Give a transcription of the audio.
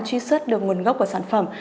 truy xuất được nguồn gốc của sản phẩm